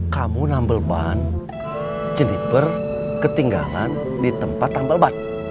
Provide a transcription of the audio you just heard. kamu nambel ban jennifer ketinggalan di tempat nambel ban